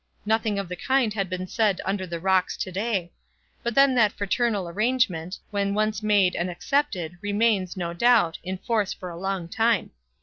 Nothing of the kind had been said under the rocks to day; but then that fraternal arrangement, when once made and accepted, remains, no doubt, in force for a long time.